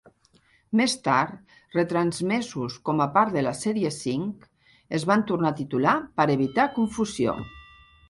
Més tard, retransmesos com a part de la sèrie cinc, es van tornar a titular per evitar confusió.